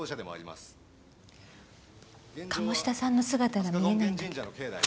鴨志田さんの姿が見えないんだけど。